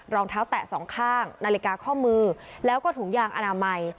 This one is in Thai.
รองเท้าแตะสองข้างนาฬิกาข้อมือแล้วก็ถุงยางอนามัย